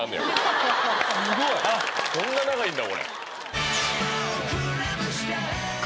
そんな長いんだ